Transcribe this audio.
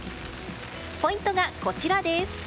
ポイントが、こちらです。